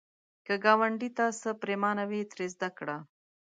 که ګاونډي ته څه پرېمانه وي، ترې زده کړه